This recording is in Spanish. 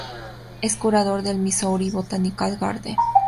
Es curador del Missouri Botanical Garden.